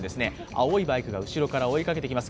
青いバイクが後ろから追いかけてきます。